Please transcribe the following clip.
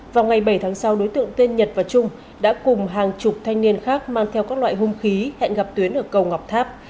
vào ngày bảy tháng sáu đối tượng tên nhật và trung đã cùng hàng chục thanh niên khác mang theo các loại hung khí hẹn gặp tuyến ở cầu ngọc tháp